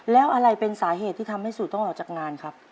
แล้วอะไรเป็นสาเหตุที่ทำให้สู่ต้องออกจากงานครับ